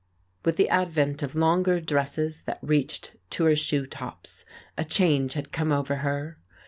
With the advent of longer dresses that reached to her shoe tops a change had come over her.